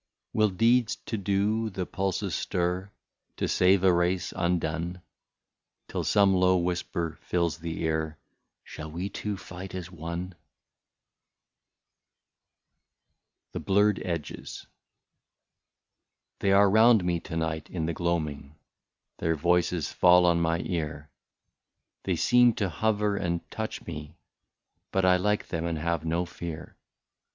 l82 " Will deeds to do, the pulses stir, To save a race undone ; Till some low whisper fills the ear ;' Shall we two fight as one ?'i83 BLURRED EDGES. They are round me to night in the gloaming, Their voices fall on my ear ; They seem to hover and touch me, But I like them and have no fear.